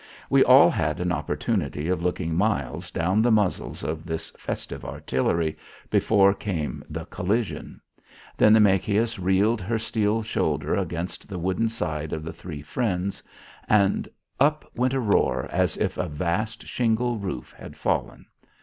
We all had an opportunity of looking miles down the muzzles of this festive artillery before came the collision. Then the Machias reeled her steel shoulder against the wooden side of the Three Friends and up went a roar as if a vast shingle roof had fallen.